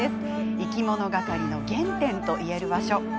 いきものがかりの原点といえる場所です。